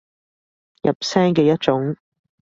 入聲嘅一種